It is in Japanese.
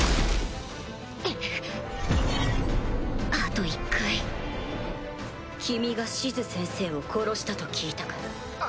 あと１回君がシズ先生を殺したと聞いたから。